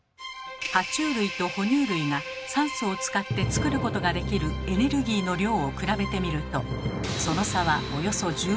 は虫類と哺乳類が酸素を使って作ることができるエネルギーの量を比べてみるとその差はおよそ１０倍。